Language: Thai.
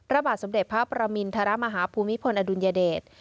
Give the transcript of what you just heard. พระบาทสมเด็จพระประมินทรมาฮาภูมิพลอดุลยเดช